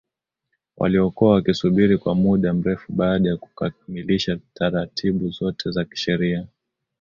waliokuwa wakisubiri kwa muda mrefu baada ya kukamilisha taratibu zote za kisheria